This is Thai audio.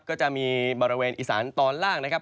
ก็จะมีบริเวณอีสานตอนล่างนะครับ